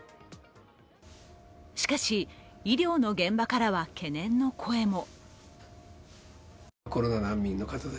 しかし、医療の現場からは懸念の声も。